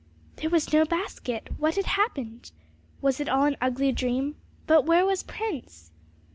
There was no basket! What had happened? Was it all an ugly dream? But where was Prince?